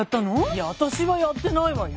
いやあたしはやってないわよ。